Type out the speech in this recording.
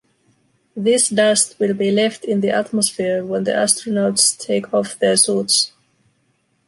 This dust will be left in the atmosphere when the astronauts take off their suits.